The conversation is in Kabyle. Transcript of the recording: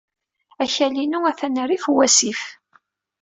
Akal-inu atan rrif wasif.